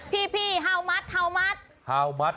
พี่ฮาวมัด